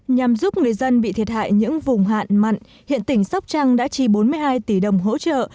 nhằm giúp người dân bị thiệt hại những vùng hạn mặn hiện tỉnh sóc trăng đã chi bốn mươi hai tỷ đồng hỗ trợ